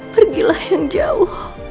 pergilah yang jauh